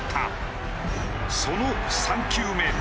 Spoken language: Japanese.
その３球目。